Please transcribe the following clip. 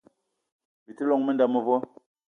Bi te llong m'nda mevo